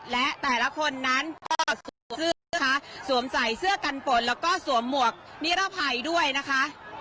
และแต่ละคนนั้นก็สวมเสื้อนะคะสวมใส่เสื้อกันฝนแล้วก็สวมหมวกนิรภัยด้วยนะคะ